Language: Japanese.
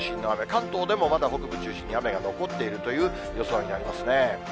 関東でもまだ北部中心に雨が残っているという予想になりますね。